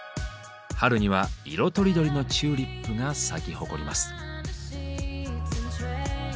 春には色とりどりのチューリップが咲き誇ります。